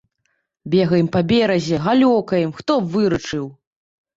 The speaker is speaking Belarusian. Бегаем па беразе, галёкаем, хто б выручыў.